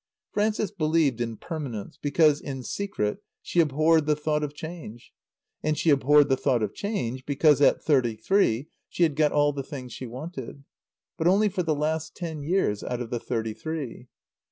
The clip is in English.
Frances believed in permanence because, in secret, she abhorred the thought of change. And she abhorred the thought of change because, at thirty three, she had got all the things she wanted. But only for the last ten years out of the thirty three.